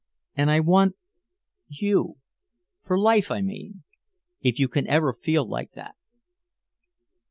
And I want you for life, I mean if you can ever feel like that."